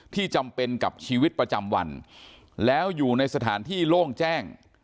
จำเป็นกับชีวิตประจำวันแล้วอยู่ในสถานที่โล่งแจ้ง